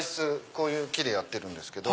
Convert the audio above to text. こういう木でやってるんです。